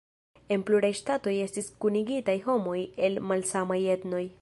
En pluraj ŝtatoj estis kunigitaj homoj el malsamaj etnoj.